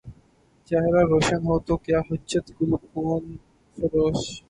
چہرہ روشن ہو تو کیا حاجت گلگونہ فروش